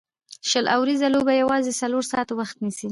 شل اووريزه لوبه یوازي څلور ساعته وخت نیسي.